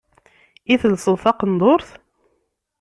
I telseḍ taqendurt?